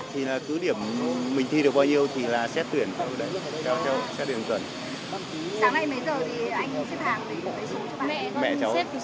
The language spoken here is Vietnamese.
thì là cứ điểm mình thi được bao nhiêu thì là xét tuyển